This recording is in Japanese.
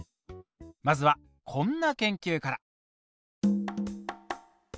まずはこんな研究から。